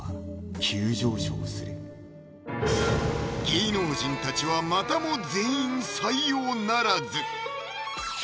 芸能人たちはまたも全員採用ならず！